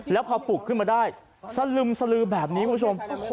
แล้วพอปุกขึ้นมาได้สะลึมแบบนี้ผู้ชม